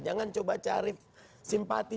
jangan coba cari simpati